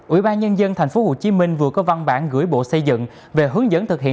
ủy ban nhân dân tp hcm vừa có văn bản gửi bộ xây dựng về hướng dẫn thực hiện